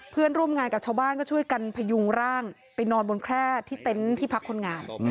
เพื่อนร่วมงานกับชาวบ้านก็ช่วยกันพยุงร่างไปนอนบนแคร่ที่เต็นต์ที่พักคนงาน